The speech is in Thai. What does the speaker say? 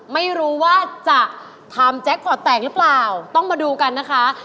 ไม่รู้ว่าจะทำแจ็คพอร์ตแตกหรือเปล่าต้องมาดูกันนะคะ